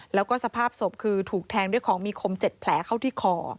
แล้วก็สภาพศพคือถูกแทงด้วยของมีคม๗แผลเข้าที่คอ